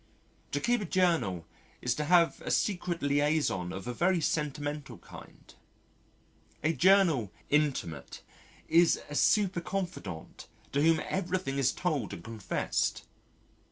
To keep a journal is to have a secret liaison of a very sentimental kind. A journal intime is a super confidante to whom everything is told and confessed.